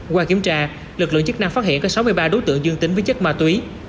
qua kiểm tra lực lượng chức năng phát hiện có sáu mươi ba đối tượng dương tính với chất ma túy